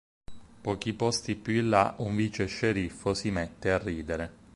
Pochi posti più in la, un vice sceriffo si mette a ridere.